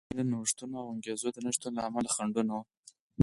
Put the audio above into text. د ټکنالوژیکي نوښتونو او انګېزو د نشتون له امله خنډونه وو